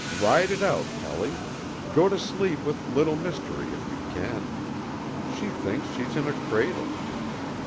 Ride it out, Pelly. Go to sleep with Little Mystery if you can. She thinks she's in a cradle."